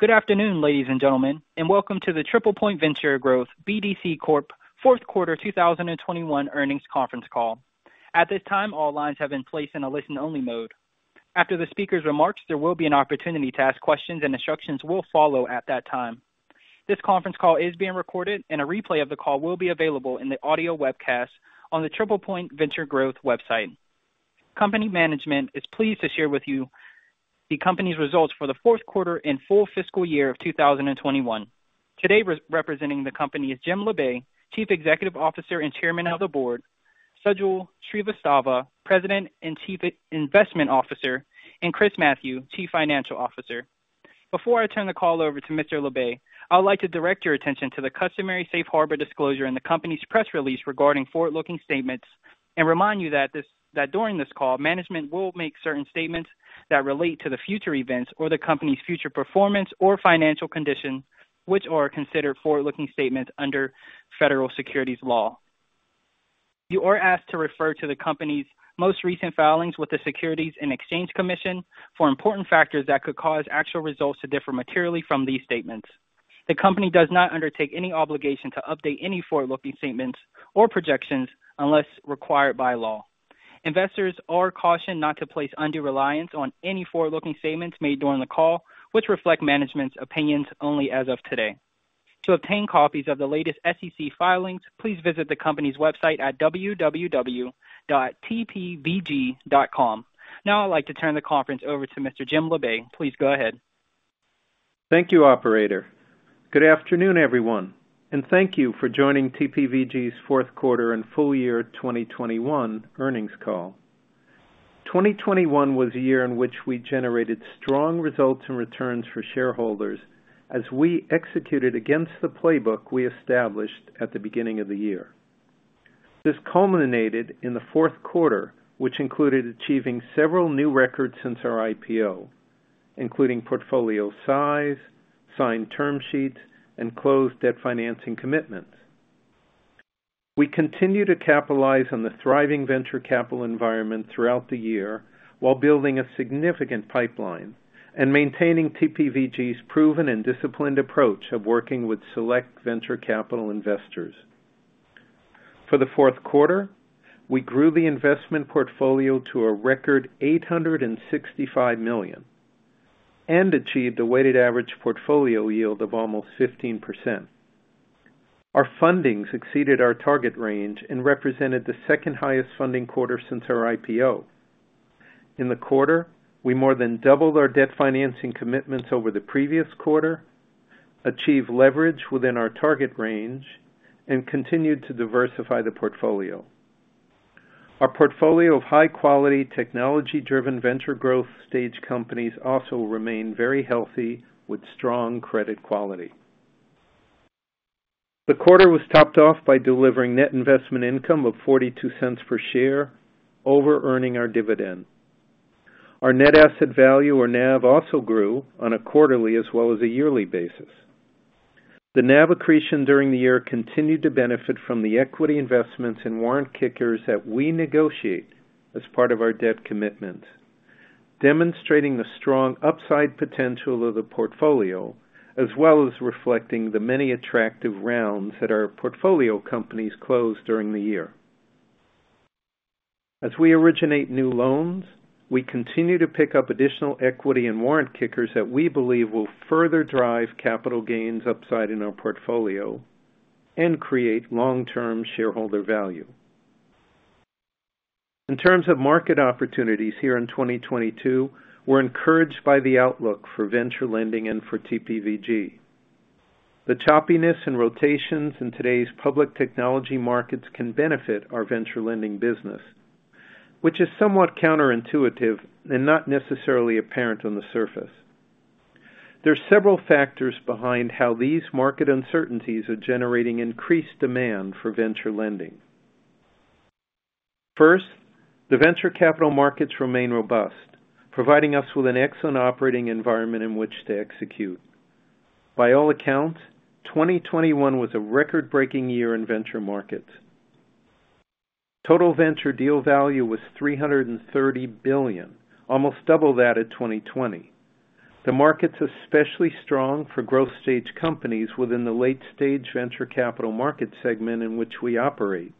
Good afternoon, ladies and gentlemen, and welcome to the TriplePoint Venture Growth BDC Corp. fourth quarter 2021 earnings conference call. At this time, all lines have been placed in a listen-only mode. After the speaker's remarks, there will be an opportunity to ask questions, and instructions will follow at that time. This conference call is being recorded, and a replay of the call will be available in the audio webcast on the TriplePoint Venture Growth website. Company management is pleased to share with you the company's results for the fourth quarter and full fiscal year of 2021. Today, representing the company is Jim Labe, Chief Executive Officer and Chairman of the Board; Sajal Srivastava, President and Chief Investment Officer; and Chris Mathieu, Chief Financial Officer. Before I turn the call over to Mr. Labe, I would like to direct your attention to the customary Safe Harbor disclosure in the company's press release regarding forward-looking statements, and remind you that during this call, management will make certain statements that relate to the future events or the company's future performance or financial condition, which are considered forward-looking statements under federal securities law. You are asked to refer to the company's most recent filings with the Securities and Exchange Commission for important factors that could cause actual results to differ materially from these statements. The company does not undertake any obligation to update any forward-looking statements or projections unless required by law. Investors are cautioned not to place undue reliance on any forward-looking statements made during the call, which reflect management's opinions only as of today. To obtain copies of the latest SEC filings, please visit the company's website at www.tpvg.com. Now, I'd like to turn the conference over to Mr. Jim Labe. Please go ahead. Thank you, operator. Good afternoon, everyone, and thank you for joining TPVG's fourth quarter and full year 2021 earnings call. 2021 was a year in which we generated strong results and returns for shareholders as we executed against the playbook we established at the beginning of the year. This culminated in the fourth quarter, which included achieving several new records since our IPO, including portfolio size, signed term sheets, and closed debt financing commitments. We continue to capitalize on the thriving venture capital environment throughout the year while building a significant pipeline and maintaining TPVG's proven and disciplined approach of working with select venture capital investors. For the fourth quarter, we grew the investment portfolio to a record $865 million, and achieved a weighted average portfolio yield of almost 15%. Our fundings exceeded our target range, and represented the second highest funding quarter since our IPO. In the quarter, we more than doubled our debt financing commitments over the previous quarter, achieved leverage within our target range, and continued to diversify the portfolio. Our portfolio of high-quality, technology-driven venture growth stage companies also remain very healthy with strong credit quality. The quarter was topped off by delivering net investment income of $0.42 per share over earning our dividend. Our net asset value, or NAV, also grew on a quarterly as well as a yearly basis. The NAV accretion during the year continued to benefit from the equity investments and warrant kickers that we negotiate as part of our debt commitments, demonstrating the strong upside potential of the portfolio, as well as reflecting the many attractive rounds that our portfolio companies closed during the year. As we originate new loans, we continue to pick up additional equity and warrant kickers that we believe will further drive capital gains upside in our portfolio and create long-term shareholder value. In terms of market opportunities here in 2022, we're encouraged by the outlook for venture lending and for TPVG. The choppiness and rotations in today's public technology markets can benefit our venture lending business, which is somewhat counterintuitive and not necessarily apparent on the surface. There are several factors behind how these market uncertainties are generating increased demand for venture lending. First, the venture capital markets remain robust, providing us with an excellent operating environment in which to execute. By all accounts, 2021 was a record-breaking year in venture markets. Total venture deal value was $330 billion, almost double that at 2020. The market's especially strong for growth stage companies within the late stage venture capital market segment in which we operate,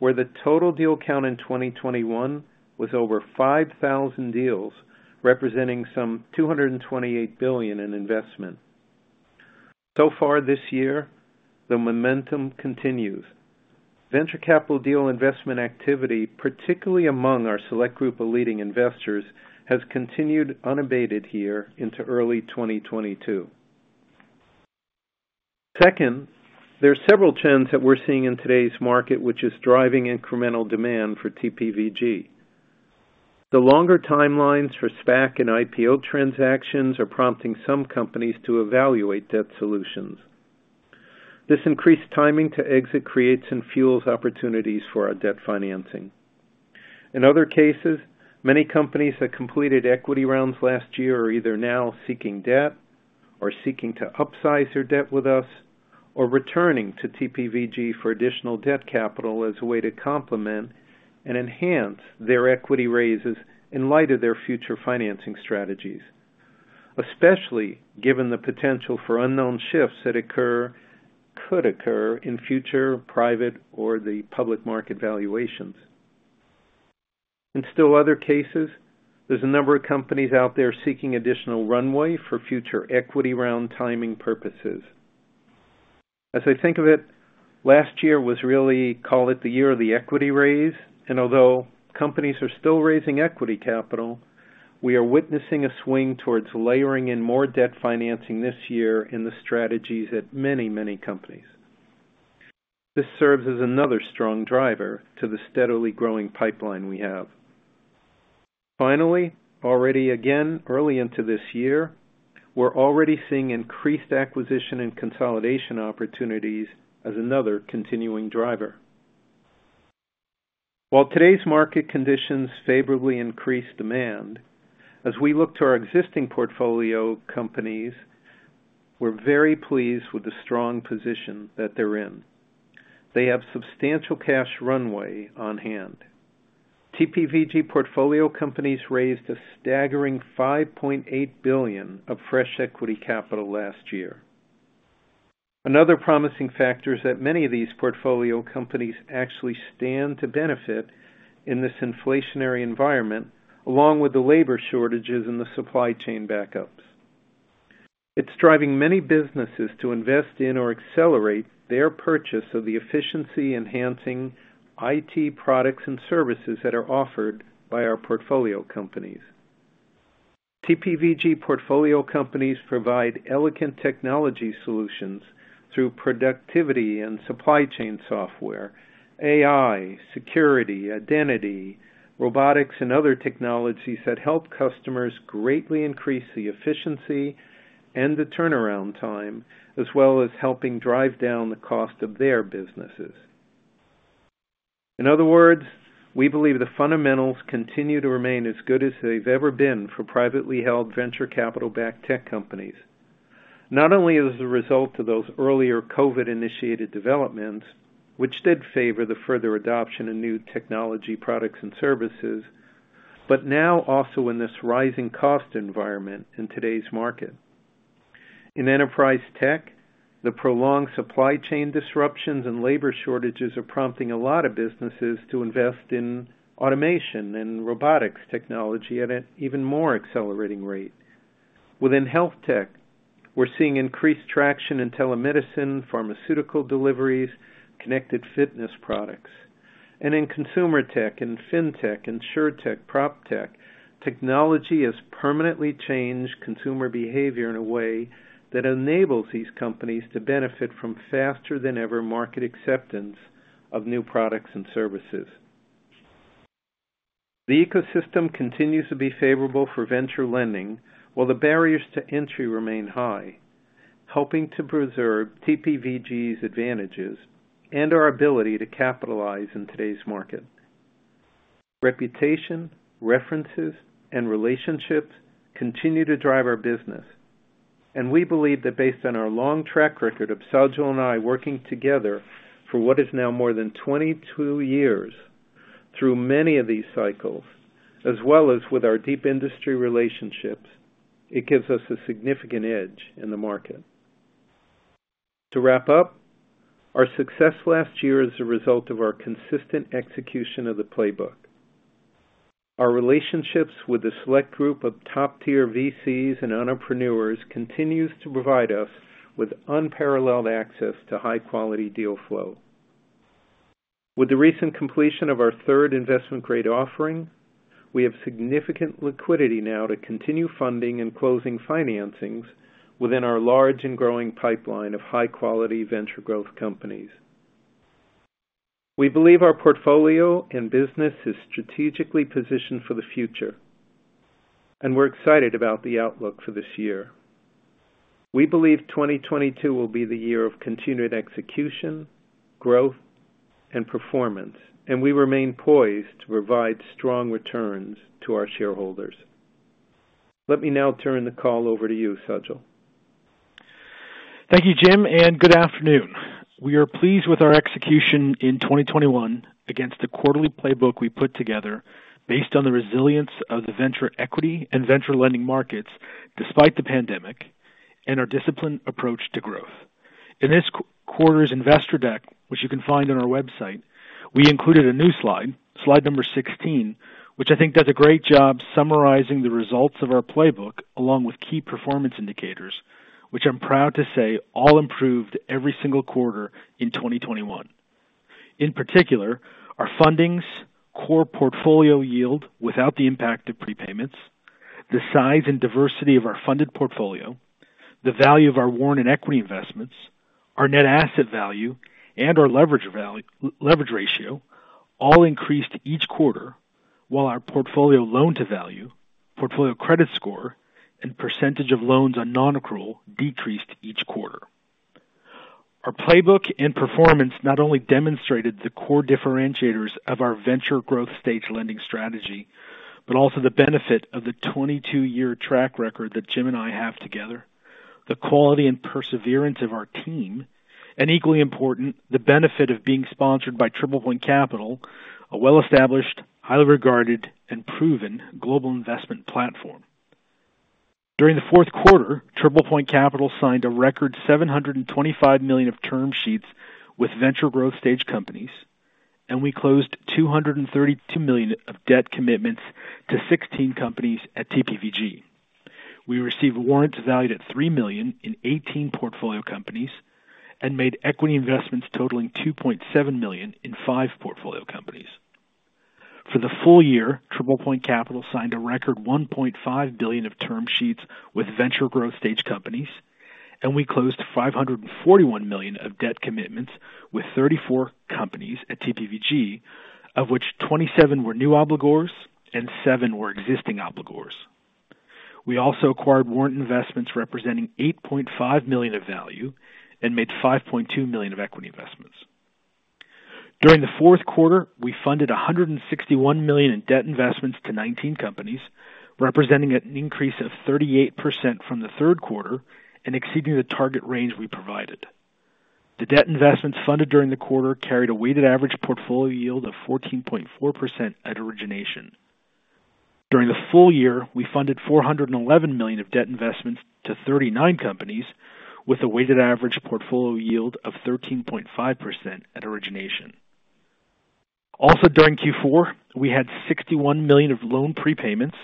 where the total deal count in 2021 was over 5,000 deals, representing some $228 billion in investment. So far this year, the momentum continues. Venture capital deal investment activity, particularly among our select group of leading investors, has continued unabated here into early 2022. Second, there are several trends that we're seeing in today's market which is driving incremental demand for TPVG. The longer timelines for SPAC and IPO transactions are prompting some companies to evaluate debt solutions. This increased timing to exit creates and fuels opportunities for our debt financing. In other cases, many companies that completed equity rounds last year are either now seeking debt or seeking to upsize their debt with us, or returning to TPVG for additional debt capital as a way to complement and enhance their equity raises in light of their future financing strategies, especially given the potential for unknown shifts that could occur in future private or public market valuations. In still other cases, there's a number of companies out there seeking additional runway for future equity round timing purposes. As I think of it, last year was really, call it, the year of the equity raise. Although companies are still raising equity capital, we are witnessing a swing towards layering in more debt financing this year in the strategies at many, many companies. This serves as another strong driver to the steadily growing pipeline we have. Finally, already again, early into this year, we're already seeing increased acquisition and consolidation opportunities as another continuing driver. While today's market conditions favorably increase demand, as we look to our existing portfolio companies, we're very pleased with the strong position that they're in. They have substantial cash runway on hand. TPVG portfolio companies raised a staggering $5.8 billion of fresh equity capital last year. Another promising factor is that many of these portfolio companies actually stand to benefit in this inflationary environment, along with the labor shortages and the supply chain backups. It's driving many businesses to invest in or accelerate their purchase of the efficiency-enhancing IT products and services that are offered by our portfolio companies. TPVG portfolio companies provide elegant technology solutions through productivity and supply chain software, AI, security, identity, robotics, and other technologies that help customers greatly increase the efficiency and the turnaround time, as well as helping drive down the cost of their businesses. In other words, we believe the fundamentals continue to remain as good as they've ever been for privately held venture capital-backed tech companies. Not only as a result of those earlier COVID-initiated developments, which did favor the further adoption of new technology products and services, but now also in this rising cost environment in today's market. In enterprise tech, the prolonged supply chain disruptions and labor shortages are prompting a lot of businesses to invest in automation and robotics technology at an even more accelerating rate. Within health tech, we're seeing increased traction in telemedicine, pharmaceutical deliveries, connected fitness products. In consumer tech, in fintech, insurtech, proptech, technology has permanently changed consumer behavior in a way that enables these companies to benefit from faster than ever market acceptance of new products and services. The ecosystem continues to be favorable for venture lending, while the barriers to entry remain high, helping to preserve TPVG's advantages and our ability to capitalize in today's market. Reputation, references, and relationships continue to drive our business, and we believe that based on our long track record of Sajal and I working together for what is now more than 22 years through many of these cycles, as well as with our deep industry relationships, it gives us a significant edge in the market. To wrap up, our success last year is a result of our consistent execution of the playbook. Our relationships with a select group of top-tier VCs and entrepreneurs continues to provide us with unparalleled access to high-quality deal flow. With the recent completion of our third investment-grade offering, we have significant liquidity now to continue funding and closing financings within our large and growing pipeline of high-quality venture growth companies. We believe our portfolio and business is strategically positioned for the future, and we're excited about the outlook for this year. We believe 2022 will be the year of continued execution, growth, and performance, and we remain poised to provide strong returns to our shareholders. Let me now turn the call over to you, Sajal. Thank you, Jim, and good afternoon. We are pleased with our execution in 2021 against the quarterly playbook we put together based on the resilience of the venture equity and venture lending markets despite the pandemic and our disciplined approach to growth. In this quarter's investor deck, which you can find on our website, we included a new slide number 16, which I think does a great job summarizing the results of our playbook along with key performance indicators, which I'm proud to say all improved every single quarter in 2021. In particular, our fundings, core portfolio yield without the impact of prepayments, the size and diversity of our funded portfolio, the value of our warrant and equity investments, our net asset value, and our leverage ratio all increased each quarter, while our portfolio loan to value, portfolio credit score, and percentage of loans on non-accrual decreased each quarter. Our playbook and performance not only demonstrated the core differentiators of our venture growth stage lending strategy, but also the benefit of the 22-year track record that Jim and I have together, the quality and perseverance of our team, and equally important, the benefit of being sponsored by TriplePoint Capital, a well-established, highly regarded and proven global investment platform. During the fourth quarter, TriplePoint Capital signed a record $725 million of term sheets with venture growth stage companies, and we closed $232 million of debt commitments to 16 companies at TPVG. We received warrants valued at $3 million in 18 portfolio companies, and made equity investments totaling $2.7 million in five portfolio companies. For the full year, TriplePoint Capital signed a record $1.5 billion of term sheets with venture growth stage companies, and we closed $541 million of debt commitments with 34 companies at TPVG, of which 27 were new obligors and seven were existing obligors. We also acquired warrant investments representing $8.5 million of value, and made $5.2 million of equity investments. During the fourth quarter, we funded $161 million in debt investments to 19 companies, representing an increase of 38% from the third quarter, and exceeding the target range we provided. The debt investments funded during the quarter carried a weighted average portfolio yield of 14.4% at origination. During the full year, we funded $411 million of debt investments to 39 companies, with a weighted average portfolio yield of 13.5% at origination. Also during Q4, we had $61 million of loan prepayments,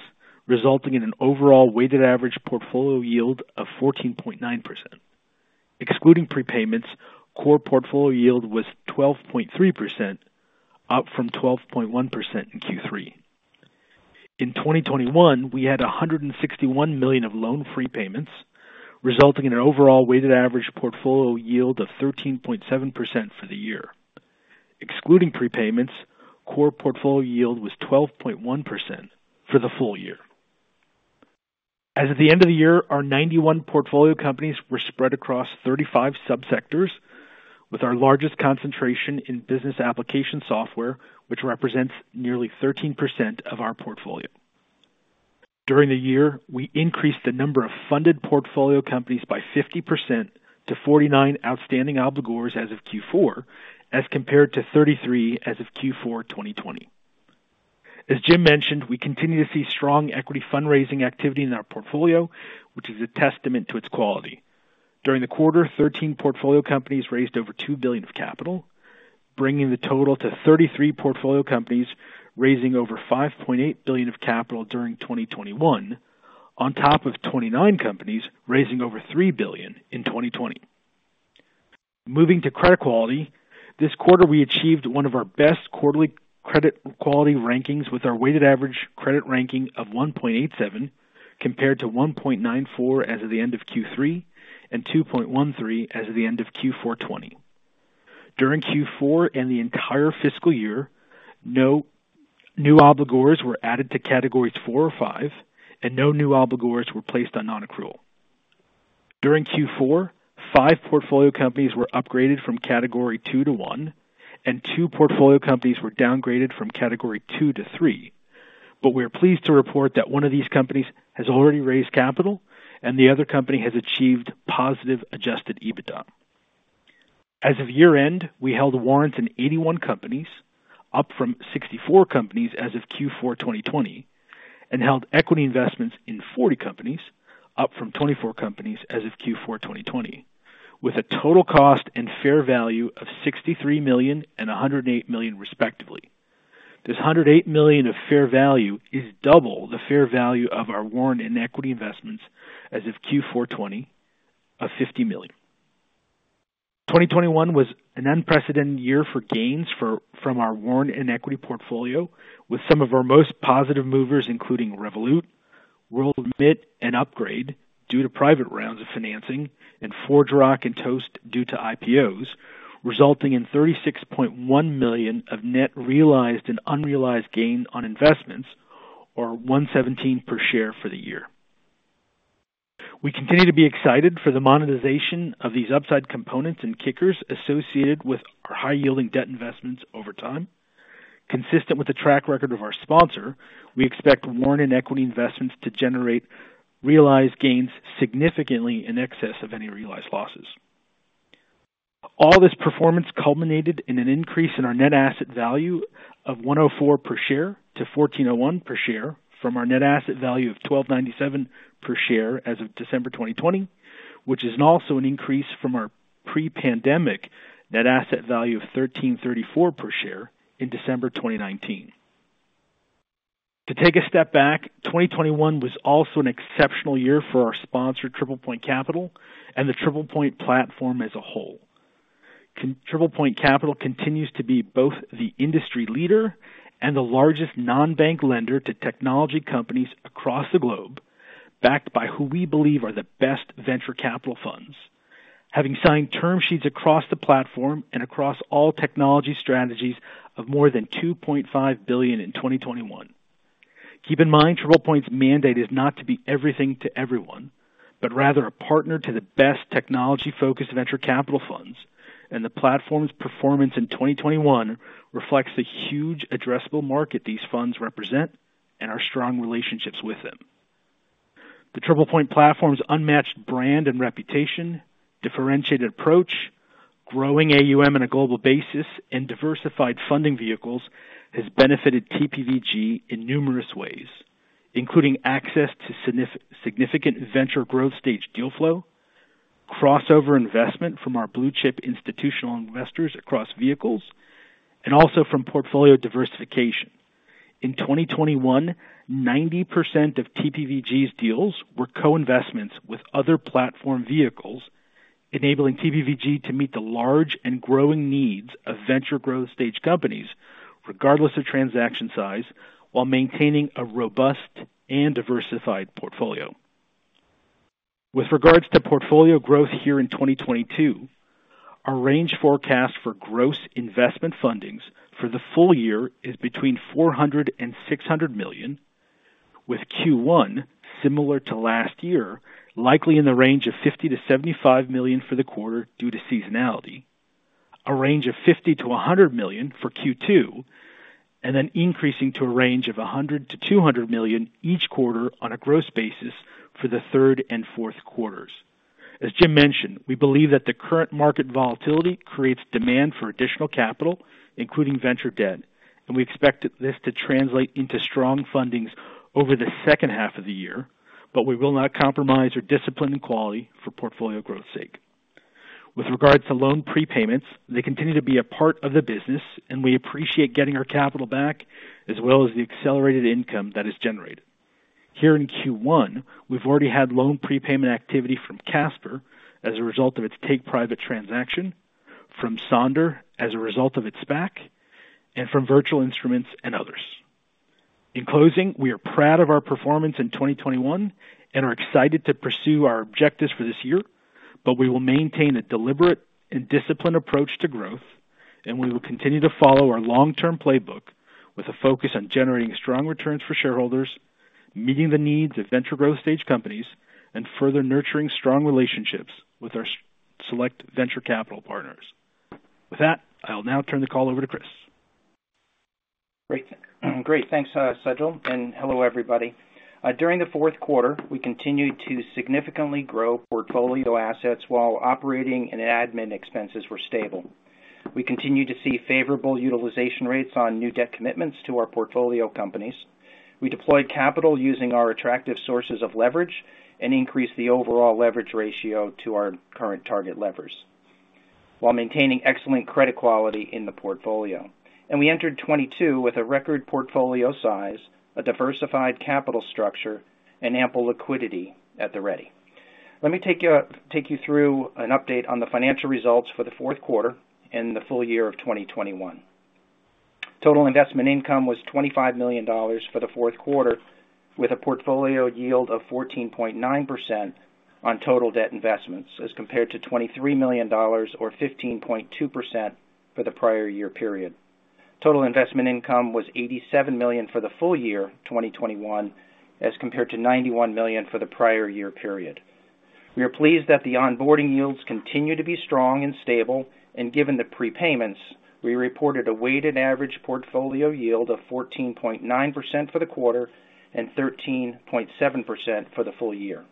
resulting in an overall weighted average portfolio yield of 14.9%. Excluding prepayments, core portfolio yield was 12.3%, up from 12.1% in Q3. In 2021, we had $161 million of loan prepayments, resulting in an overall weighted average portfolio yield of 13.7% for the year. Excluding prepayments, core portfolio yield was 12.1% for the full year. As of the end of the year, our 91 portfolio companies were spread across 35 subsectors, with our largest concentration in business application software, which represents nearly 13% of our portfolio. During the year, we increased the number of funded portfolio companies by 50% to 49 outstanding obligors as of Q4, as compared to 33 as of Q4 2020. As Jim mentioned, we continue to see strong equity fundraising activity in our portfolio, which is a testament to its quality. During the quarter, 13 portfolio companies raised over $2 billion of capital, bringing the total to 33 portfolio companies, raising over $5.8 billion of capital during 2021, on top of 29 companies raising over $3 billion in 2020. Moving to credit quality. This quarter, we achieved one of our best quarterly credit quality rankings with our weighted average credit ranking of 1.87 compared to 1.94 as of the end of Q3, and 2.13 as of the end of Q4 2020. During Q4 and the entire fiscal year, no new obligors were added to Categories 4 or 5, and no new obligors were placed on non-accrual. During Q4, five portfolio companies were upgraded from Category 2 to 1, and two portfolio companies were downgraded from Category 2 to 3. We are pleased to report that one of these companies has already raised capital and the other company has achieved positive adjusted EBITDA. As of year-end, we held a warrant in 81 companies, up from 64 companies as of Q4 2020, and held equity investments in 40 companies, up from 24 companies as of Q4 2020, with a total cost and fair value of $63 million and $108 million, respectively. This $108 million of fair value is double the fair value of our warrant and equity investments as of Q4 2020 of $50 million. 2021 was an unprecedented year for gains from our warrant and equity portfolio, with some of our most positive movers, including Revolut, WorldRemit, and Upgrade due to private rounds of financing, and ForgeRock and Toast due to IPOs, resulting in $36.1 million of net realized and unrealized gain on investments, or $1.17 per share for the year. We continue to be excited for the monetization of these upside components and kickers associated with our high-yielding debt investments over time. Consistent with the track record of our sponsor, we expect warrant and equity investments to generate realized gains significantly in excess of any realized losses. All this performance culminated in an increase in our net asset value of $10.04 per share to $14.01 per share from our net asset value of $12.97 per share as of December 2020, which is also an increase from our pre-pandemic net asset value of $13.34 per share in December 2019. To take a step back, 2021 was also an exceptional year for our sponsor, TriplePoint Capital, and the TriplePoint platform as a whole. TriplePoint Capital continues to be both the industry leader and the largest non-bank lender to technology companies across the globe, backed by who we believe are the best venture capital funds. Having signed term sheets across the platform and across all technology strategies of more than $2.5 billion in 2021. Keep in mind, TriplePoint's mandate is not to be everything to everyone, but rather a partner to the best technology-focused venture capital funds. The platform's performance in 2021 reflects the huge addressable market these funds represent and our strong relationships with them. The TriplePoint platform's unmatched brand and reputation, differentiated approach, growing AUM on a global basis, and diversified funding vehicles has benefited TPVG in numerous ways, including access to significant venture growth stage deal flow, crossover investment from our blue-chip institutional investors across vehicles, and also from portfolio diversification. In 2021, 90% of TPVG's deals were co-investments with other platform vehicles, enabling TPVG to meet the large and growing needs of venture growth stage companies regardless of transaction size, while maintaining a robust and diversified portfolio. With regards to portfolio growth here in 2022, our range forecast for gross investment fundings for the full year is between $400 million and $600 million, with Q1, similar to last year, likely in the range of $50 million-$75 million for the quarter due to seasonality, a range of $50 million-$100 million for Q2, and then increasing to a range of $100 million-$200 million each quarter on a gross basis for the third and fourth quarters. As Jim mentioned, we believe that the current market volatility creates demand for additional capital, including venture debt, and we expect this to translate into strong fundings over the second half of the year. We will not compromise our discipline and quality for portfolio growth sake. With regards to loan prepayments, they continue to be a part of the business, and we appreciate getting our capital back, as well as the accelerated income that is generated. Here in Q1, we've already had loan prepayment activity from Casper as a result of its take-private transaction, from Sonder as a result of its SPAC, and from Virtual Instruments and others. In closing, we are proud of our performance in 2021 and are excited to pursue our objectives for this year. We will maintain a deliberate and disciplined approach to growth, and we will continue to follow our long-term playbook with a focus on generating strong returns for shareholders, meeting the needs of venture growth stage companies, and further nurturing strong relationships with our select venture capital partners. With that, I'll now turn the call over to Chris. Great. Thanks, Sajal, and hello, everybody. During the fourth quarter, we continued to significantly grow portfolio assets while operating, and admin expenses were stable. We continued to see favorable utilization rates on new debt commitments to our portfolio companies. We deployed capital using our attractive sources of leverage, and increased the overall leverage ratio to our current target levers while maintaining excellent credit quality in the portfolio. We entered 2022 with a record portfolio size, a diversified capital structure, and ample liquidity at the ready. Let me take you through an update on the financial results for the fourth quarter and the full year of 2021. Total investment income was $25 million for the fourth quarter, with a portfolio yield of 14.9% on total debt investments, as compared to $23 million or 15.2% for the prior year period. Total investment income was $87 million for the full year 2021, as compared to $91 million for the prior year period. We are pleased that the onboarding yields continue to be strong and stable. Given the prepayments, we reported a weighted average portfolio yield of 14.9% for the quarter and 13.7% for the full year.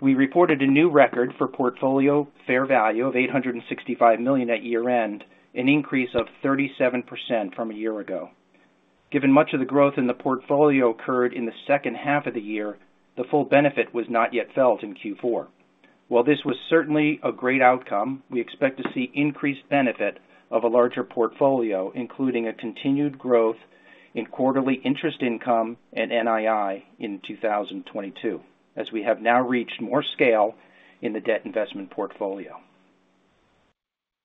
We reported a new record for portfolio fair value of $865 million at year-end, an increase of 37% from a year ago. Given much of the growth in the portfolio occurred in the second half of the year, the full benefit was not yet felt in Q4. While this was certainly a great outcome, we expect to see increased benefit of a larger portfolio, including a continued growth in quarterly interest income and NII in 2022, as we have now reached more scale in the debt investment portfolio.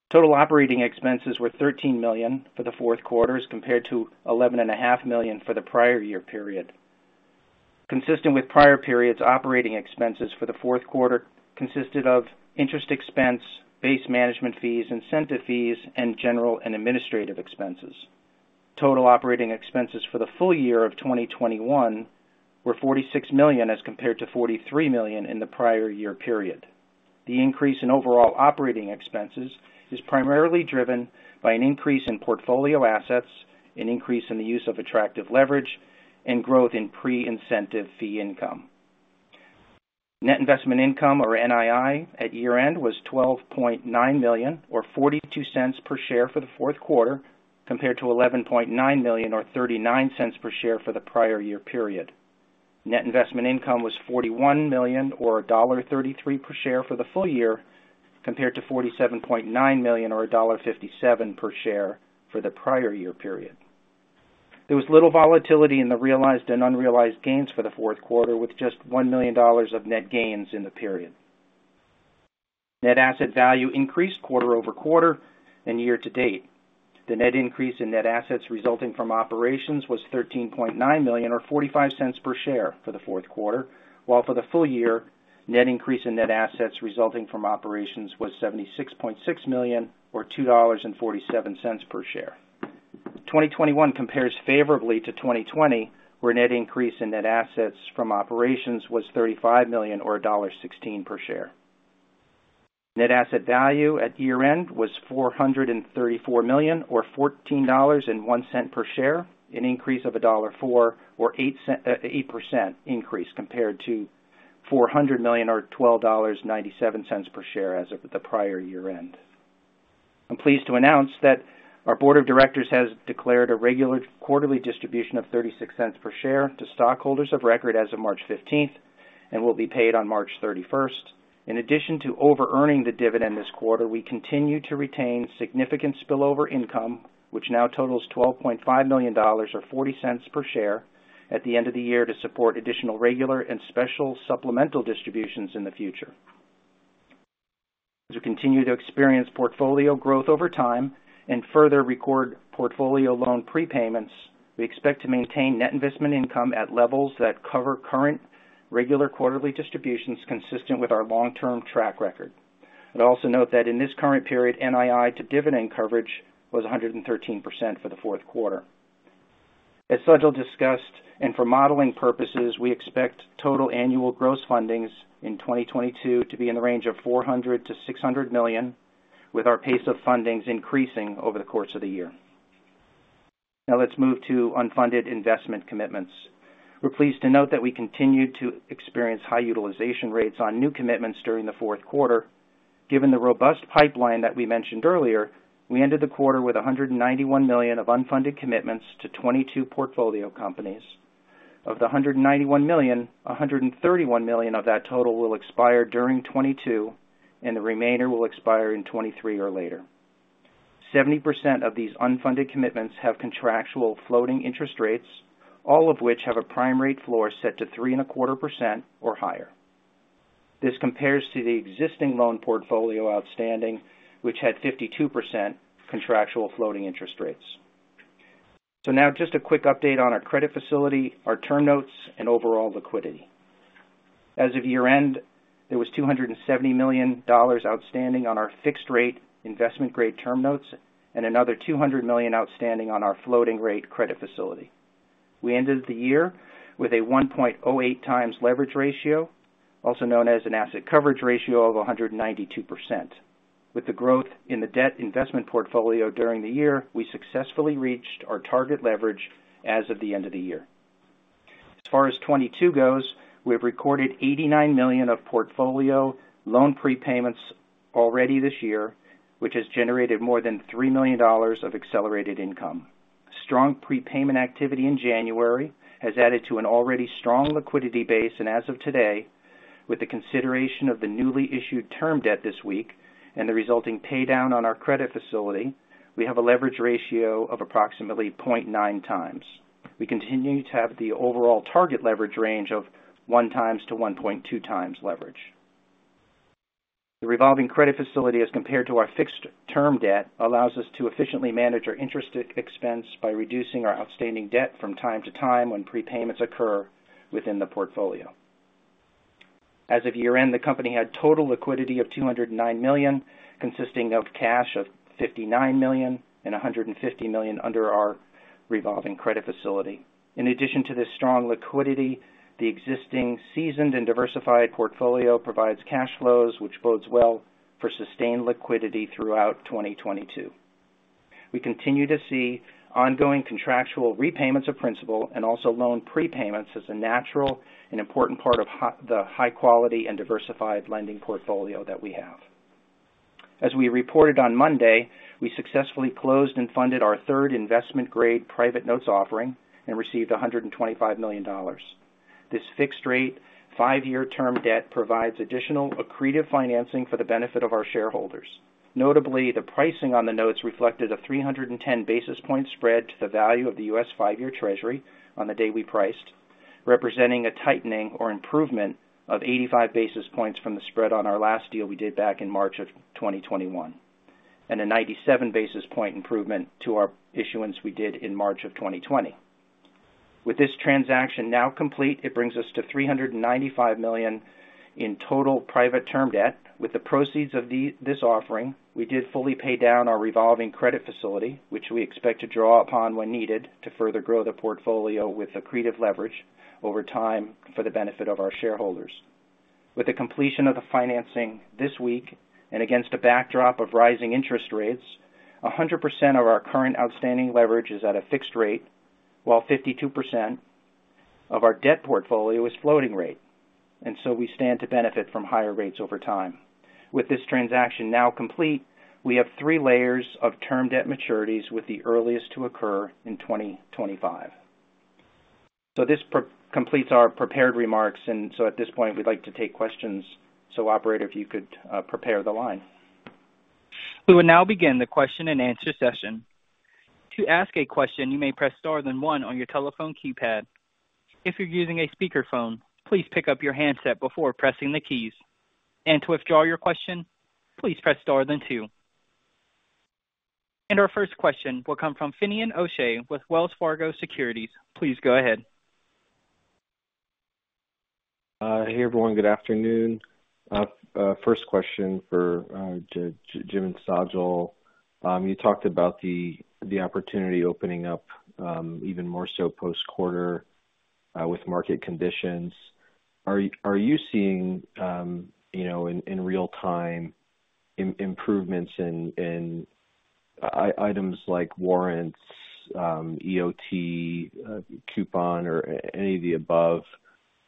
Total operating expenses were $13 million for the fourth quarter as compared to $11.5 million for the prior year period. Consistent with prior periods, operating expenses for the fourth quarter consisted of interest expense, base management fees, incentive fees, and general and administrative expenses. Total operating expenses for the full year of 2021 were $46 million as compared to $43 million in the prior year period. The increase in overall operating expenses is primarily driven by an increase in portfolio assets, an increase in the use of attractive leverage, and growth in pre-incentive fee income. Net investment income, or NII, at year-end was $12.9 million or $0.42 per share for the fourth quarter, compared to $11.9 million or $0.39 per share for the prior year period. Net investment income was $41 million or $1.33 per share for the full year, compared to $47.9 million or $1.57 per share for the prior year period. There was little volatility in the realized and unrealized gains for the fourth quarter, with just $1 million of net gains in the period. Net asset value increased quarter-over-quarter and year-to-date. The net increase in net assets resulting from operations was $13.9 million or $0.45 per share for the fourth quarter, while for the full year net increase in net assets resulting from operations was $76.6 million or $2.47 per share. 2021 compares favorably to 2020, where net increase in net assets from operations was $35 million or $1.16 per share. Net asset value at year-end was $434 million or $14.01 per share, an increase of $1.04, an 8% increase, compared to $400 million or $12.97 per share as of the prior year-end. I'm pleased to announce that our board of directors has declared a regular quarterly distribution of $0.36 per share to stockholders of record as of March 15th, and will be paid on March 31st. In addition to overearning the dividend this quarter, we continue to retain significant spillover income, which now totals $12.5 million, or $0.40 per share, at the end of the year to support additional regular and special supplemental distributions in the future. As we continue to experience portfolio growth over time and further record portfolio loan prepayments, we expect to maintain net investment income at levels that cover current regular quarterly distributions consistent with our long-term track record. I'd also note that in this current period, NII to dividend coverage was 113% for the fourth quarter. As Sajal discussed, and for modeling purposes, we expect total annual gross fundings in 2022 to be in the range of $400 million-$600 million, with our pace of fundings increasing over the course of the year. Now, let's move to unfunded investment commitments. We're pleased to note that we continued to experience high utilization rates on new commitments during the fourth quarter. Given the robust pipeline that we mentioned earlier, we ended the quarter with $191 million of unfunded commitments to 22 portfolio companies. Of the $191 million, $131 million of that total will expire during 2022, and the remainder will expire in 2023 or later. 70% of these unfunded commitments have contractual floating interest rates, all of which have a prime rate floor set to 3.25% or higher. This compares to the existing loan portfolio outstanding, which had 52% contractual floating interest rates. Now, just a quick update on our credit facility, our term notes, and overall liquidity. As of year-end, there was $270 million outstanding on our fixed rate investment grade term notes and another $200 million outstanding on our floating rate credit facility. We ended the year with a 1.08x leverage ratio, also known as an asset coverage ratio of 192%. With the growth in the debt investment portfolio during the year, we successfully reached our target leverage as of the end of the year. As far as 2022 goes, we have recorded $89 million of portfolio loan prepayments already this year, which has generated more than $3 million of accelerated income. Strong prepayment activity in January has added to an already strong liquidity base. As of today, with the consideration of the newly issued term debt this week and the resulting pay down on our credit facility, we have a leverage ratio of approximately 0.9x. We continue to have the overall target leverage range of 1x-1.2x leverage. The revolving credit facility, as compared to our fixed term debt, allows us to efficiently manage our interest expense by reducing our outstanding debt from time to time when prepayments occur within the portfolio. As of year-end, the company had total liquidity of $209 million, consisting of cash of $59 million and $150 million under our revolving credit facility. In addition to this strong liquidity, the existing seasoned and diversified portfolio provides cash flows, which bodes well for sustained liquidity throughout 2022. We continue to see ongoing contractual repayments of principal and also loan prepayments as a natural and important part of the high quality and diversified lending portfolio that we have. As we reported on Monday, we successfully closed and funded our third investment grade private notes offering and received $125 million. This fixed rate, five-year term debt provides additional accretive financing for the benefit of our shareholders. Notably, the pricing on the notes reflected a 310 basis point spread to the value of the U.S. five-year Treasury on the day we priced, representing a tightening or improvement of 85 basis points from the spread on our last deal we did back in March of 2021, and a 97 basis point improvement to our issuance we did in March of 2020. With this transaction now complete, it brings us to $395 million in total private term debt. With the proceeds of this offering, we did fully pay down our revolving credit facility, which we expect to draw upon when needed to further grow the portfolio with accretive leverage over time for the benefit of our shareholders. With the completion of the financing this week and against a backdrop of rising interest rates, 100% of our current outstanding leverage is at a fixed rate, while 52% of our debt portfolio is floating rate, and so we stand to benefit from higher rates over time. With this transaction now complete, we have three layers of term debt maturities, with the earliest to occur in 2025. This completes our prepared remarks. At this point, we'd like to take questions. Operator, if you could, prepare the line. We will now begin the question-and-answer session. To ask a question, you may press star then one on your telephone keypad. If you're using a speakerphone, please pick up your handset before pressing the keys. To withdraw your question, please press star then two. Our first question will come from Finian O'Shea with Wells Fargo Securities. Please go ahead. Hey, everyone. Good afternoon. First question for Jim and Sajal. You talked about the opportunity opening up, even more so post-quarter with market conditions. Are you seeing, you know, in real time improvements in items like warrants, EOT, coupon or any of the above,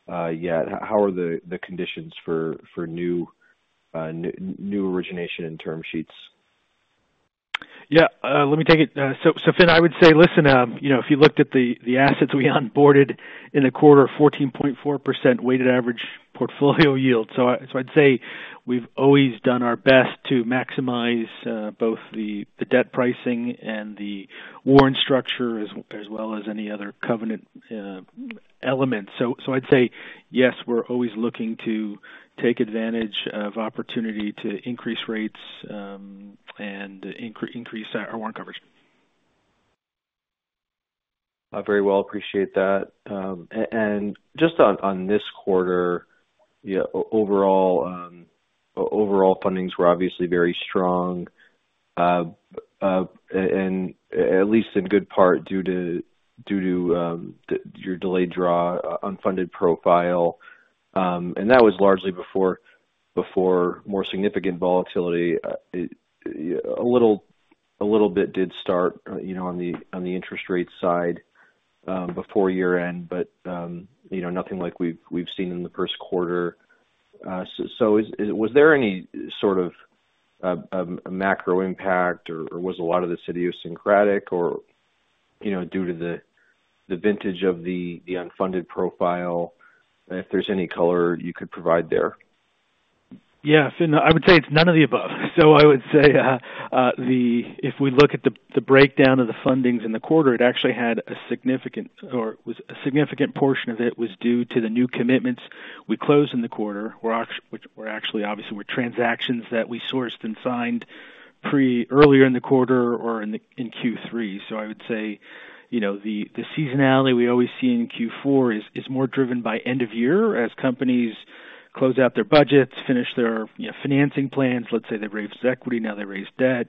yet? How are the conditions for new origination and term sheets? Yeah, let me take it. So Fin, I would say, listen, you know, if you looked at the assets we onboarded in the quarter, 14.4% weighted average portfolio yield. So, I'd say we've always done our best to maximize both the debt pricing and the warrant structure as well as any other covenant element. So, I'd say yes, we're always looking to take advantage of opportunity to increase rates and increase our warrant coverage. Very well, appreciate that. Just on this quarter, you know, overall fundings were obviously very strong, and, at least in good part, due to your delayed draw, unfunded profile. That was largely before more significant volatility. A little bit did start, you know, on the interest rate side before year-end, but, you know, nothing like we've seen in the first quarter. Was there any sort of macro impact, or was a lot of the idiosyncratic or, you know, due to the vintage of the unfunded profile? If there's any color you could provide there. Yeah. Fin, I would say it's none of the above. I would say, if we look at the breakdown of the fundings in the quarter, it actually was, a significant portion of it was due to the new commitments we closed in the quarter, which were actually, obviously, transactions that we sourced and signed earlier in the quarter or in Q3. I would say, you know, the seasonality we always see in Q4 is more driven by end of year as companies close out their budgets, finish their, you know, financing plans. Let's say they've raised equity, now they raise debt.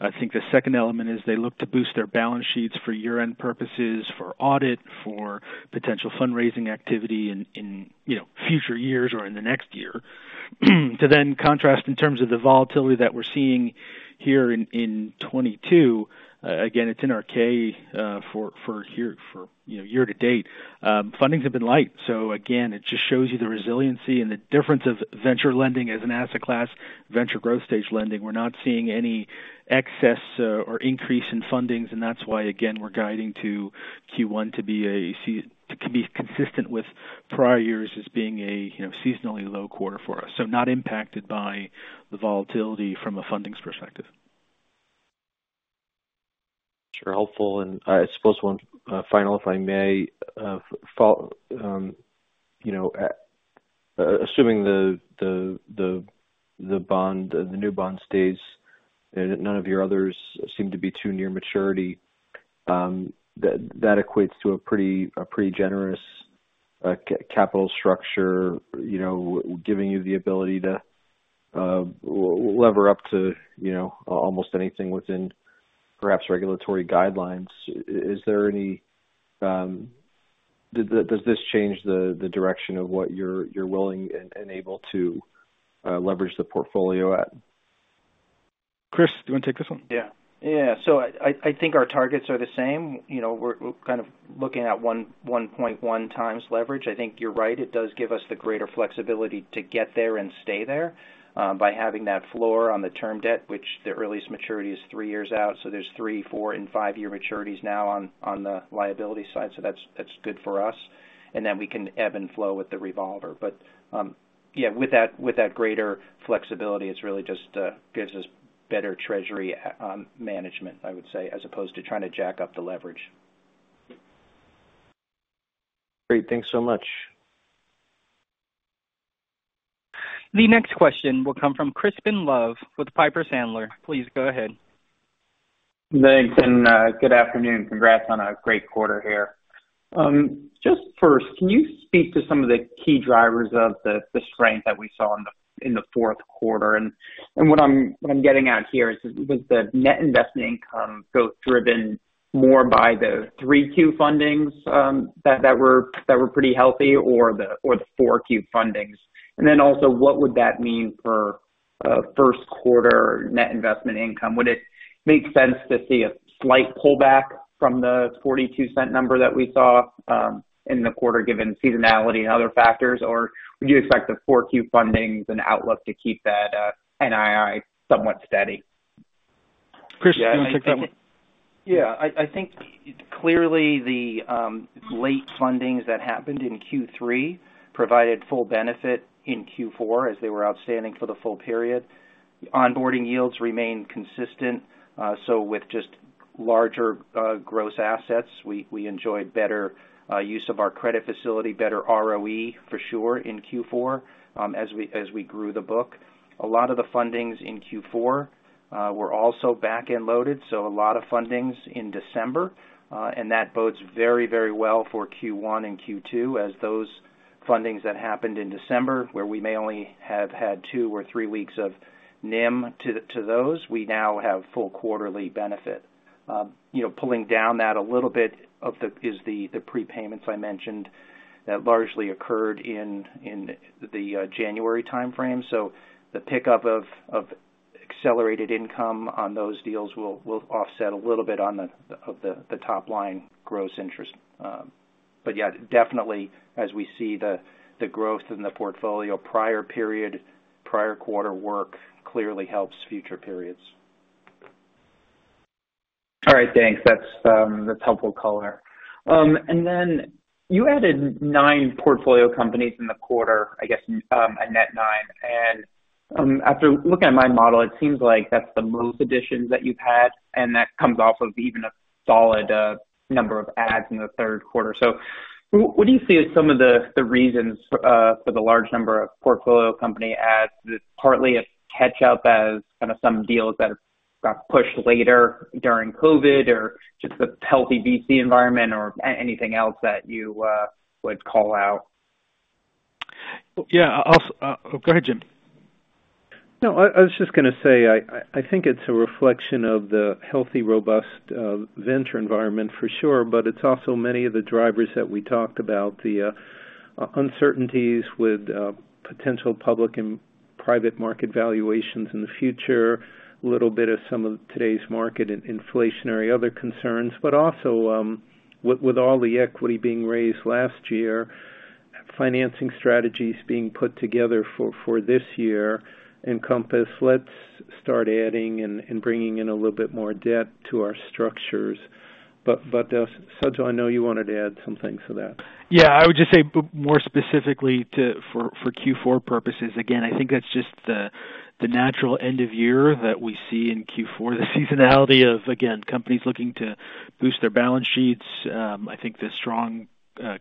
I think the second element is, they look to boost their balance sheets for year-end purposes, for audit, for potential fundraising activity in, you know, future years or in the next year. To, then, contrast in terms of the volatility that we're seeing here in 2022, again, it's in our K for year to date. Fundings have been light, again, it just shows you the resiliency and the difference of venture lending as an asset class, venture growth stage lending. We're not seeing any excess or increase in fundings, and that's why, again, we're guiding to Q1 to be consistent with prior years as being a, you know, seasonally low quarter for us. Not impacted by the volatility from a fundings perspective. Sure. Helpful. I suppose one final, if I may. You know, assuming the bond, the new bond stays and none of your others seem to be too near maturity, that equates to a pretty generous capital structure, you know, giving you the ability to leverage up to, you know, almost anything within perhaps regulatory guidelines. Does this change the direction of what you're willing and able to leverage the portfolio at? Chris, do you want to take this one? Yeah. Yeah. I think our targets are the same. You know, we're kind of looking at 1.1x leverage. I think you're right, it does give us the greater flexibility to get there and stay there, by having that floor on the term debt, which the earliest maturity is three years out. There's three, four and five-year maturities now on the liability side. That's good for us. Then we can ebb and flow with the revolver. Yeah, with that greater flexibility, it really just gives us better treasury management, I would say, as opposed to trying to jack up the leverage. Great. Thanks so much. The next question will come from Crispin Love with Piper Sandler. Please go ahead. Thanks, good afternoon. Congrats on a great quarter here. Just first, can you speak to some of the key drivers of the strength that we saw in the fourth quarter? What I'm getting at here is, was the net investment income growth driven more by the Q3 fundings that were pretty healthy or the Q4 fundings? What would that mean for first quarter net investment income? Would it make sense to see a slight pullback from the $0.42 number that we saw in the quarter, given seasonality and other factors? Or, would you expect the Q4 fundings and outlook to keep that NII somewhat steady? Chris, do you wanna take that one? Yeah. I think clearly the late fundings that happened in Q3 provided full benefit in Q4 as they were outstanding for the full period. Onboarding yields remained consistent. With just larger gross assets, we enjoyed better use of our credit facility, better ROE for sure in Q4, as we grew the book. A lot of the fundings in Q4 were also back-end loaded, so a lot of fundings in December, and that bodes very, very well for Q1 and Q2, as those fundings that happened in December, where we may only have had two or three weeks of NIM to those, we now have full quarterly benefit. You know, pulling down that a little bit is the prepayments I mentioned that largely occurred in the January timeframe. The pickup of accelerated income on those deals will offset a little bit of the top line gross interest. Yeah, definitely, as we see the growth in the portfolio prior period, prior quarter work clearly helps future periods. All right. Thanks. That's helpful color. You added nine portfolio companies in the quarter, I guess, a net nine. After looking at my model, it seems like that's the most additions that you've had, and that comes off of even a solid number of adds in the third quarter. What do you see as some of the reasons for the large number of portfolio company adds? Is it partly a catch up as kinda some deals that got pushed later during COVID, or just the healthy VC environment, or anything else that you would call out? Yeah. Go ahead, Jim. No, I was just gonna say, I think it's a reflection of the healthy, robust, venture environment for sure, but it's also many of the drivers that we talked about, the uncertainties with potential public and private market valuations in the future, a little bit of some of today's market inflationary other concerns. Also, with all the equity being raised last year, financing strategies being put together for this year encompass, let's start adding and bringing in a little bit more debt to our structures. Sajal, I know you wanted to add some things to that. Yeah. I would just say more specifically for Q4 purposes, again, I think that's just the natural end of year that we see in Q4, the seasonality of, again, companies looking to boost their balance sheets. I think the strong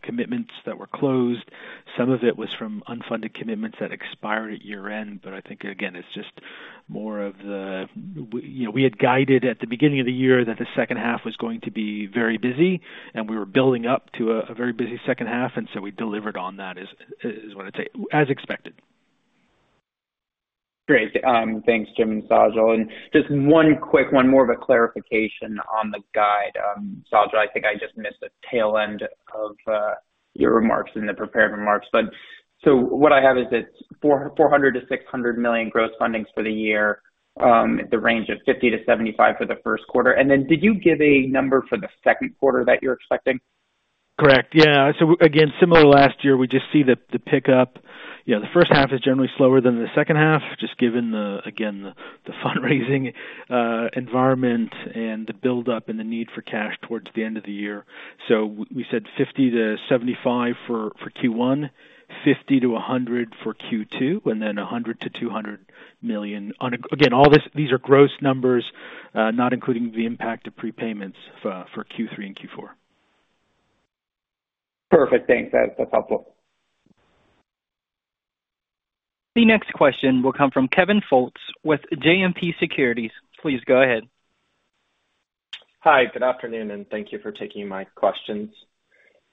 commitments that were closed, some of it was from unfunded commitments that expired at year-end. I think, again, it's just more of the same. You know, we had guided at the beginning of the year that the second half was going to be very busy, and we were building up to a very busy second half, and so we delivered on that, is what I'd say, as expected. Great. Thanks, Jim and Sajal. Just one more quick clarification on the guide. Sajal, I think I just missed the tail end of your remarks in the prepared remarks. What I have is it's $400 million-$600 million gross fundings for the year, the range of $50 million-$75 million for the first quarter. Did you give a number for the second quarter that you're expecting? Correct. Yeah. Again, similar to last year, we just see the pickup. You know, the first half is generally slower than the second half, just given the fundraising environment and the buildup and the need for cash towards the end of the year. We said $50-$75 for Q1, $50-$100 for Q2, and then $100 million-$200 million. Again, all this, these are gross numbers, not including the impact of prepayments for Q3 and Q4. Perfect. Thanks. That's helpful. The next question will come from Kevin Fultz with JMP Securities. Please go ahead. Hi, good afternoon, and thank you for taking my questions.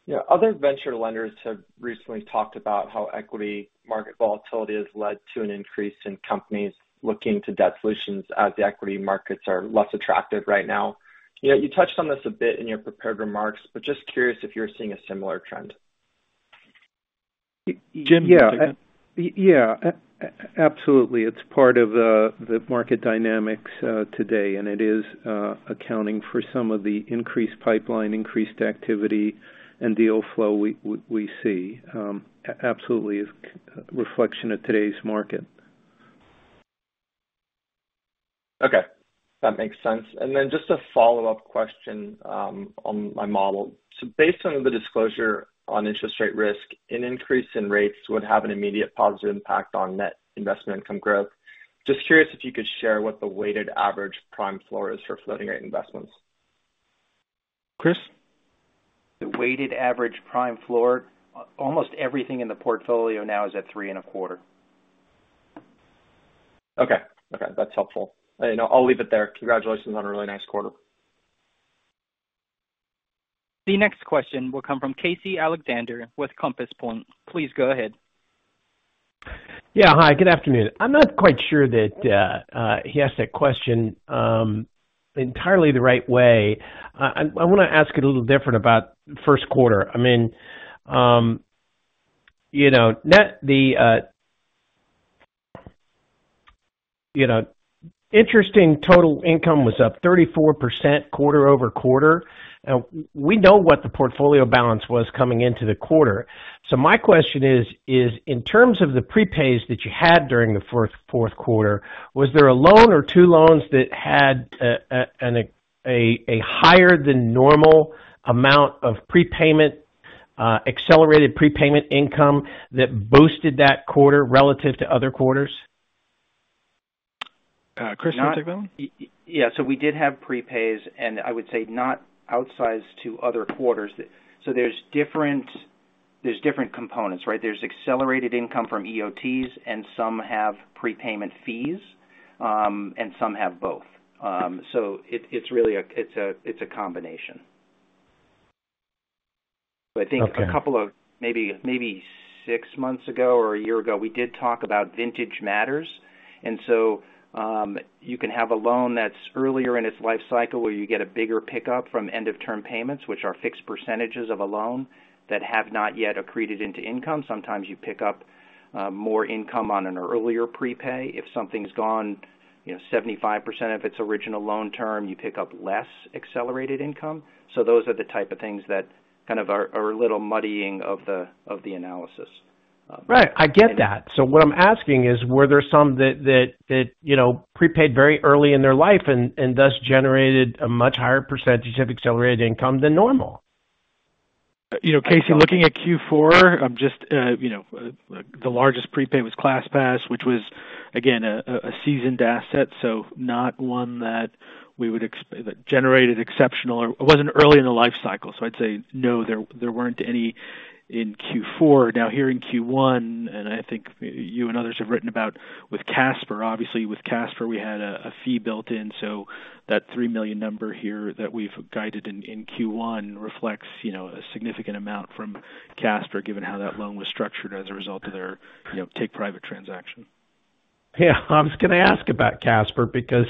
You know, other venture lenders have recently talked about how equity market volatility has led to an increase in companies looking to debt solutions as the equity markets are less attractive right now. You know, you touched on this a bit in your prepared remarks, but just curious if you're seeing a similar trend. Jim, do you want to take that? Yeah. Yeah. Absolutely. It's part of the market dynamics today, and it is accounting for some of the increased pipeline, increased activity and deal flow we see. Absolutely is a reflection of today's market. Okay. That makes sense. Just a follow-up question on my model. Based on the disclosure on interest rate risk, an increase in rates would have an immediate positive impact on net investment income growth. Just curious if you could share what the weighted average prime floor is for floating rate investments. Chris? The weighted average prime floor, almost everything in the portfolio now is at 3.25%. Okay. Okay, that's helpful. I'll leave it there. Congratulations on a really nice quarter. The next question will come from Casey Alexander with Compass Point. Please go ahead. Yeah. Hi, good afternoon. I'm not quite sure that he asked that question entirely the right way. I wanna ask it a little different about first quarter. I mean, you know, the net interest income was up 34% quarter-over-quarter. We know what the portfolio balance was coming into the quarter. My question is, in terms of the prepays that you had during the fourth quarter, was there a loan or two loans that had a higher than normal amount of prepayment, accelerated prepayment income that boosted that quarter relative to other quarters? Chris, you want to take that one? Yeah, we did have prepays, and I would say not outsized to other quarters. There's different components, right? There's accelerated income from EOTs, and some have prepayment fees. Some have both. It's really a combination. I think a couple of maybe six months ago or a year ago, we did talk about vintage matters. You can have a loan that's earlier in its life cycle where you get a bigger pickup from end of term payments, which are fixed percentages of a loan that have not yet accreted into income. Sometimes you pick up more income on an earlier prepay. If something's gone, you know, 75% of its original loan term, you pick up less accelerated income. Those are the type of things that kind of are a little muddying of the analysis. Right. I get that. What I'm asking is, were there some that, you know, prepaid very early in their life and, thus, generated a much higher percentage of accelerated income than normal? You know, Casey, looking at Q4, just, you know, the largest prepay was ClassPass, which was, again, a seasoned asset, so not one that generated exceptional or it wasn't early in the life cycle. I'd say no, there weren't any in Q4. Now, here in Q1, I think you and others have written about with Casper. Obviously with Casper, we had a fee built in. So that $3 million number here that we've guided in Q1 reflects, you know, a significant amount from Casper, given how that loan was structured as a result of their, you know, take private transaction. Yeah. I was gonna ask about Casper because,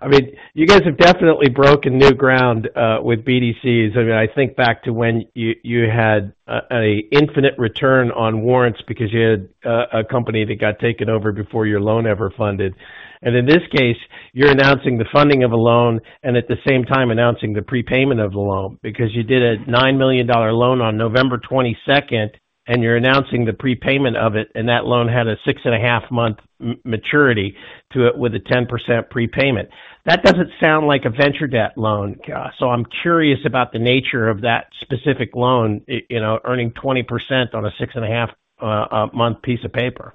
I mean, you guys have definitely broken new ground with BDCs. I mean, I think back to when you had an infinite return on warrants because you had a company that got taken over before your loan ever funded. In this case, you're announcing the funding of a loan and at the same time announcing the prepayment of the loan because you did a $9 million loan on November 22nd, and you're announcing the prepayment of it, and that loan had a six and a half month maturity to it with a 10% prepayment. That doesn't sound like a venture debt loan. I'm curious about the nature of that specific loan, you know, earning 20% on a six and a half month piece of paper.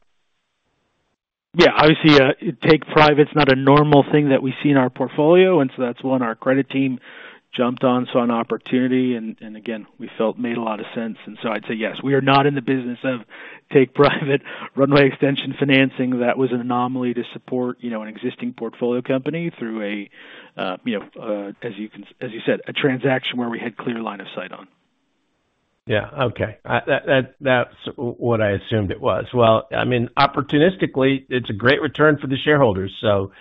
Yeah. Obviously, take private's not a normal thing that we see in our portfolio, and so that's one our credit team jumped on, saw an opportunity. Again, we felt it made a lot of sense. I'd say, yes, we are not in the business of take private runway extension financing. That was an anomaly to support, you know, an existing portfolio company through, you know, as you said, a transaction where we had clear line of sight on. Yeah. Okay. That's what I assumed it was. Well, I mean, opportunistically, it's a great return for the shareholders, so,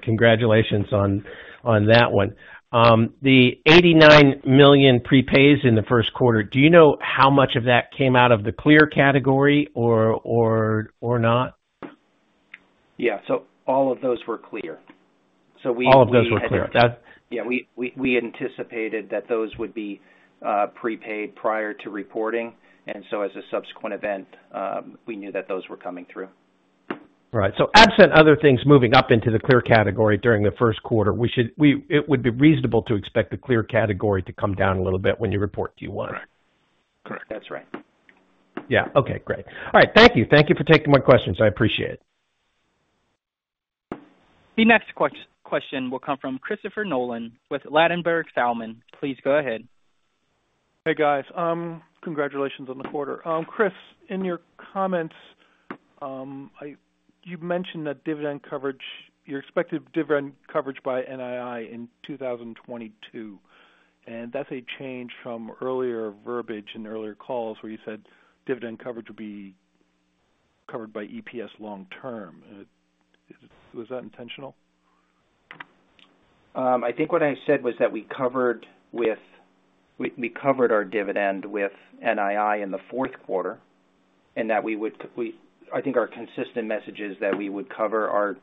congratulations on that one. The $89 million prepays in the first quarter, do you know how much of that came out of the clear category or not? Yeah. All of those were clear. We- All of those were clear. Yeah. We anticipated that those would be prepaid prior to reporting. As a subsequent event, we knew that those were coming through. Right. Absent other things moving up into the clear category during the first quarter, it would be reasonable to expect the clear category to come down a little bit when you report Q1. Correct. That's right. Yeah. Okay, great. All right. Thank you. Thank you for taking my questions. I appreciate it. The next question will come from Christopher Nolan with Ladenburg Thalmann. Please go ahead. Hey, guys. Congratulations on the quarter. Chris, in your comments, you've mentioned that dividend coverage, your expected dividend coverage by NII in 2022, and that's a change from earlier verbiage in earlier calls where you said dividend coverage would be covered by EPS long term. Was that intentional? I think what I said was that we covered our dividend with NII in the fourth quarter, and that I think our consistent message is that we would cover our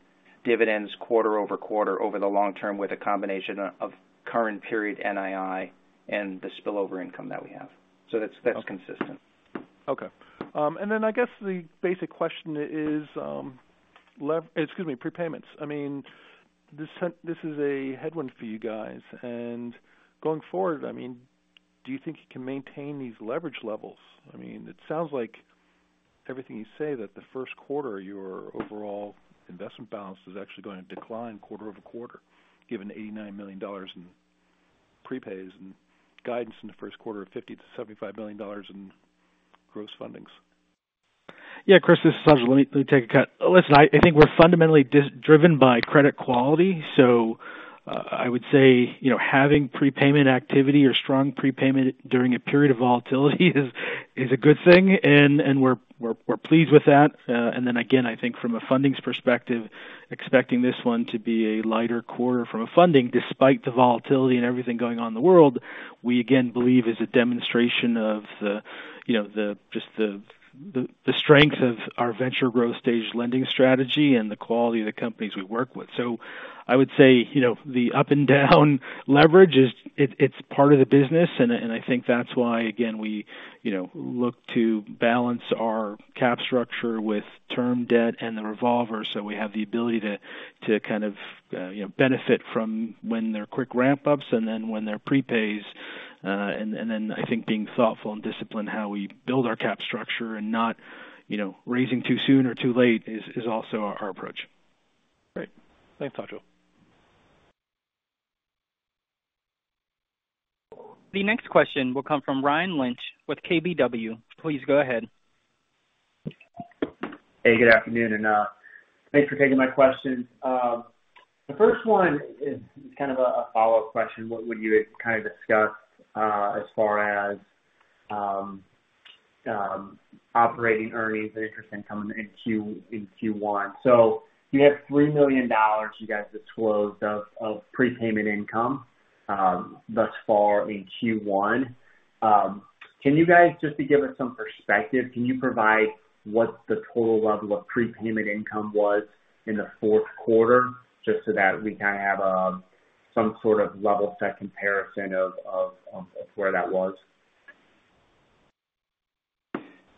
dividends quarter-over-quarter over the long term with a combination of current period NII and the spillover income that we have. That's consistent. Okay. Excuse me, prepayments. I mean, this is a headwind for you guys. Going forward, I mean, do you think you can maintain these leverage levels? I mean, it sounds like everything you're saying is that the first quarter, your overall investment balance is actually going to decline quarter-over-quarter, given $89 million in prepays and guidance in the first quarter of $50 million-$75 million in gross fundings. Chris, this is Sajal. Let me take a cut. Listen, I think we're fundamentally driven by credit quality. I would say, you know, having prepayment activity or strong prepayment during a period of volatility is a good thing, and we're pleased with that. And then, again, I think, from a fundings perspective, expecting this one to be a lighter quarter from a funding, despite the volatility and everything going on in the world, we again believe is a demonstration of the, you know, just the strength of our venture growth stage lending strategy and the quality of the companies we work with. I would say, you know, the up and down leverage is, it's part of the business. I think that's why, again, we, you know, look to balance our cap structure with term debt and the revolver, so we have the ability to kind of, you know, benefit from when they're quick ramp-ups and then when they're prepays. And then, I think being thoughtful and disciplined how we build our cap structure and not, you know, raising too soon or too late is also our approach. Great. Thanks, Sajal. The next question will come from Ryan Lynch with KBW. Please go ahead. Hey, good afternoon, and thanks for taking my questions. The first one is kind of a follow-up question. What would you kind of discuss as far as operating earnings and interest income in Q1? You have $3 million you guys disclosed of prepayment income thus far in Q1. Can you guys just to give us some perspective, can you provide what the total level of prepayment income was in the fourth quarter, just so that we kinda have some sort of level set comparison of where that was?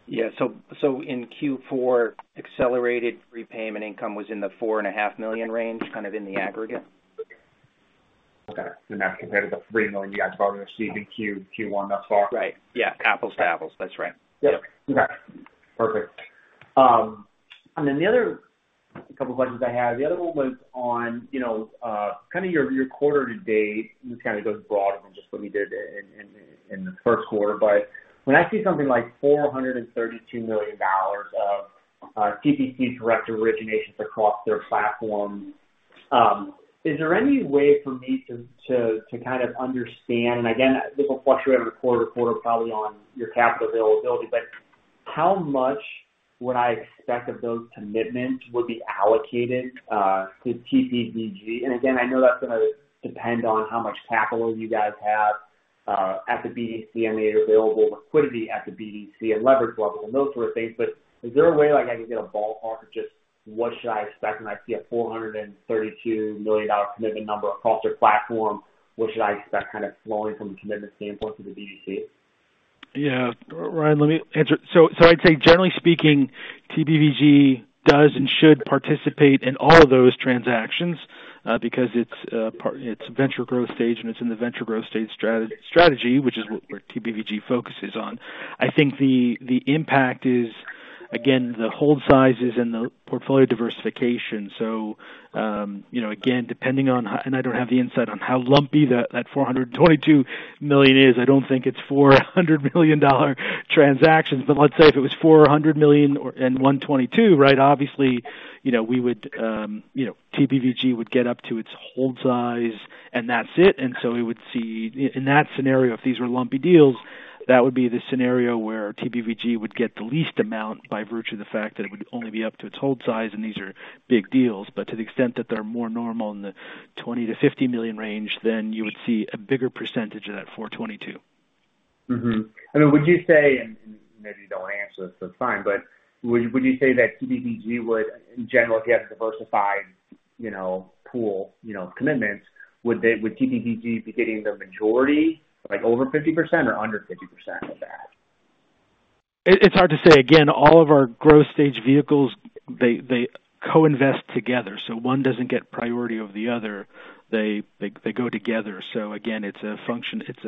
Yeah. In Q4, accelerated prepayment income was in the $4.5 million range, kind of in the aggregate. Okay. That's compared to the $3 million you guys have already received in Q1 thus far? Right. Yeah. Apples to apples. That's right. Yep. Okay. Perfect. Then the other couple questions I had, the other one was on, you know, kind of your quarter to date. This kind of goes broader than just what we did in the first quarter, but when I see something like $432 million of TPVG direct originations across their platform, is there any way for me to kind of understand, and again, this will fluctuate from quarter to quarter probably on your capital availability. How much would I expect that those commitments would be allocated to TPVG? And, again, I know that's gonna depend on how much capital you guys have at the BDC, and the available liquidity at the BDC and leverage levels and those sort of things. Is there a way, like, I can get a ballpark of just what should I expect when I see a $432 million commitment number across your platform? What should I expect kind of flowing from the commitment standpoint to the BDC? Yeah. Ryan, let me answer. I'd say generally speaking, TPVG does and should participate in all of those transactions, because it's venture growth stage, and it's in the venture growth stage strategy, which is what TPVG focuses on. I think the impact is, again, the hold sizes and the portfolio diversification. You know, again, depending on how I don't have the insight on how lumpy that $422 million is. I don't think it's $400 million dollar transactions. Let's say if it was $400 million or $122, right? Obviously, you know, we would, you know, TPVG would get up to its hold size and that's it. We would see in that scenario, if these were lumpy deals, that would be the scenario where TPVG would get the least amount by virtue of the fact that it would only be up to its hold size, and these are big deals. To the extent that they're more normal in the $20 million-$50 million range, then you would see a bigger percentage of that $422 million. I mean, would you say--and maybe you don't answer this, that's fine--would you say that TPVG would, in general, if you have a diversified, you know, pool, you know, of commitments, would TPVG be getting the majority, like over 50% or under 50% of that? It's hard to say. Again, all of our growth stage vehicles, they co-invest together, so one doesn't get priority over the other. They go together. So, again, it's a function. It's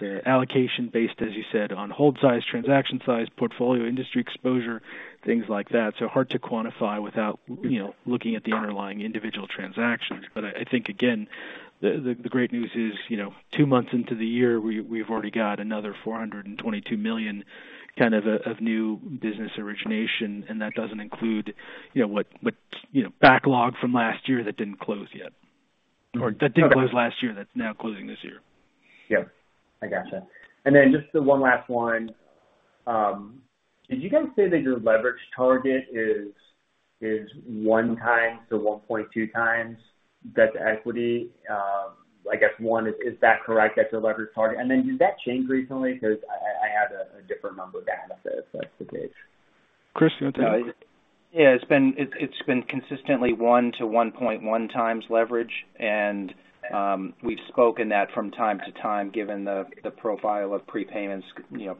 an allocation based, as you said, on loan size, transaction size, portfolio, industry exposure, things like that. So, hard to quantify without you know looking at the underlying individual transactions. But, I think, again, the great news is, you know, two months into the year, we've already got another $422 million kind of of new business origination. That doesn't include, you know, what, you know, backlog from last year that didn't close yet or that did close last year, that's now closing this year. Yep. I gotcha. Just the one last one. Did you guys say that your leverage target is 1x-1.2x debt to equity? I guess one, is that correct? That's your leverage target? Did that change recently 'cause I had a different number down, if that's the case. Chris, you want to take that? Yeah. It's been consistently 1x-1.1x leverage. We've spoken that from time to time, given the profile of prepayments, you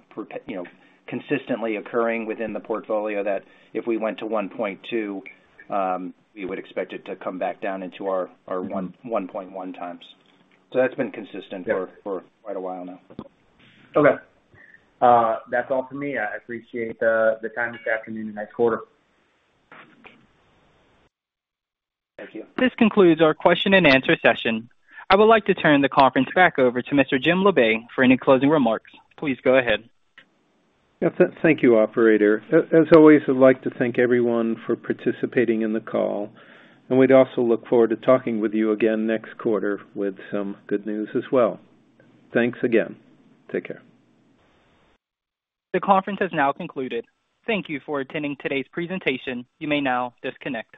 know, consistently occurring within the portfolio, that if we went to 1.2x, we would expect it to come back down into our 1.1x. That's been consistent for quite a while now. Okay. That's all for me. I appreciate the time this afternoon. Nice quarter. Thank you. This concludes our question-and-answer session. I would like to turn the conference back over to Mr. Jim Labe for any closing remarks. Please go ahead. Yes. Thank you, operator. As always, I'd like to thank everyone for participating in the call, and we'd also look forward to talking with you again next quarter with some good news as well. Thanks again. Take care. The conference has now concluded. Thank you for attending today's presentation. You may now disconnect.